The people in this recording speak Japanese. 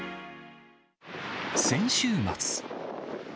先週末。